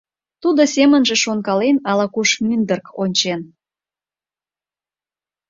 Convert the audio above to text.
Тудо, семынже шонкален, ала-куш мӱндырк ончен.